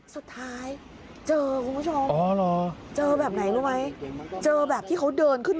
สุดท้ายเจออ่าคุณผู้ชม